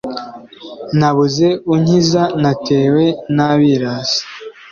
nabuze unkiza natewe n’abirasi;